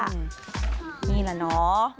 นี่ล่ะเนาะ